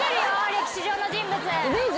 歴史上の人物。